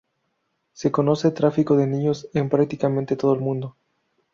Se conoce tráfico de niños en prácticamente todo el mundo.